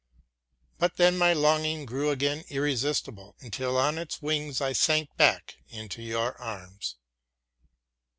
But then my longing grew again irresistible, until on its wings I sank back into your arms.